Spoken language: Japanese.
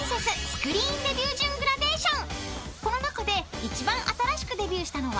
［この中で一番新しくデビューしたのは？］